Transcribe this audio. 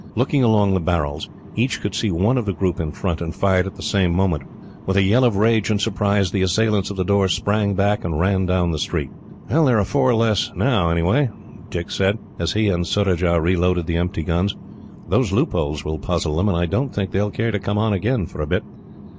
Looking along the barrels, each could see one of the group in front, and fired at the same moment. With a yell of rage and surprise, the assailants of the door sprang back and ran down the street. "There are four less, anyhow," Dick said, as he and Surajah reloaded the empty guns. "Those loopholes will puzzle them, and I don't think they will care to come on again, for a bit."